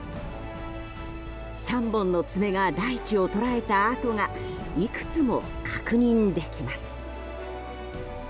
３本の爪が大地を捉えた跡がいくつも確認できます。